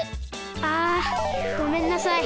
あごめんなさい。